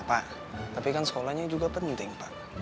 pak tapi kan sekolahnya juga penting pak